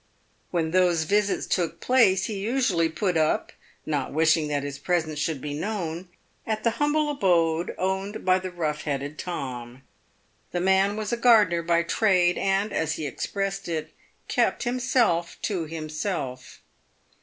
"When those visits took place he usually put up — not wish ing that his presence should be known — at the humble abode owned by the rough headed Tom. The man was a gardener by trade, and, as he expressed it, kept himself to himself.